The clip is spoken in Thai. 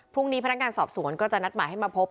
พรุ่งนี้พนักงานสอบสวนก็จะนัดหมายให้มาพบ